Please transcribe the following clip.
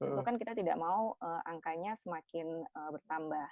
itu kan kita tidak mau angkanya semakin bertambah